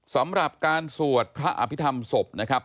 สำหรับการสวดพระอภิษฐรรมศพนะครับ